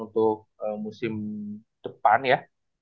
untuk musim depan ya